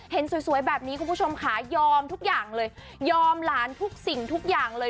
เห็นสวยแบบนี้คุณผู้ชมค่ะยอมทุกอย่างเลยยอมหลานทุกสิ่งทุกอย่างเลย